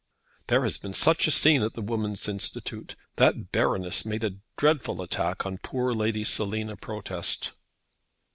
"There has been such a scene at the Women's Institute! That Baroness made a dreadful attack on poor Lady Selina Protest."